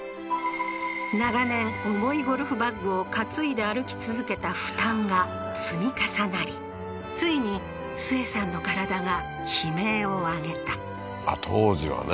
長年重いゴルフバッグを担いで歩き続けた負担が積み重なりついにスエさんの体が悲鳴を上げた当時はね